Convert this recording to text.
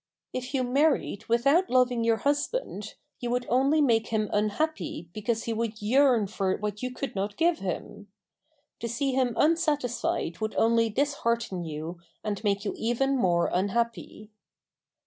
If you married without loving your husband you would only make him unhappy because he would yearn for what you could not give him. To see him unsatisfied would only dishearten you and make you even more unhappy.